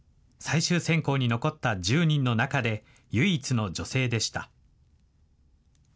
最終選考に残った１０人の中で、唯一の女性でした。